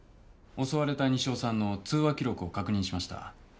襲われた西尾さんの通話記録を確認しました。